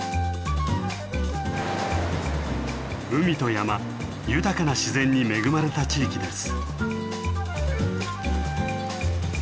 海と山豊かな自然に恵まれた地域です。